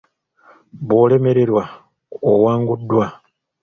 Bw'olemererwa, owanguddwa.